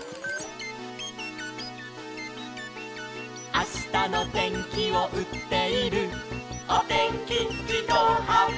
「あしたのてんきをうっているおてんきじどうはんばいき」